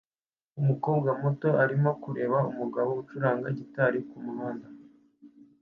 Umukobwa muto arimo kureba umugabo ucuranga gitari kumuhanda